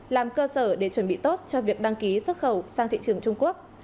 làm cơ sở để chuẩn bị tốt cho việc đăng ký xuất khẩu sang thị trường trung quốc